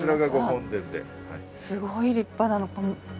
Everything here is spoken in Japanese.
すごい立派な。